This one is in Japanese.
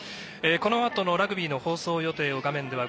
このあとのラグビーの放送予定です。